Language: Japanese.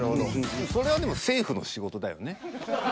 それはでも政府の仕事。